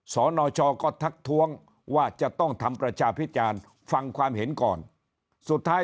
สนชก็ทักท้วงว่าจะต้องทำประชาพิจารณ์ฟังความเห็นก่อนสุดท้าย